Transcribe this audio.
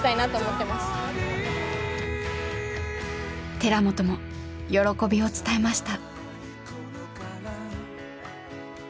寺本も喜びを伝えました。